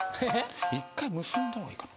１回結んだほうがいいかな